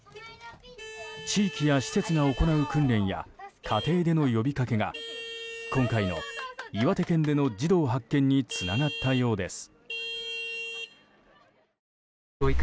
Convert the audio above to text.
地域や施設が行う訓練や家庭での呼びかけが今回の岩手県での児童発見につながったようです。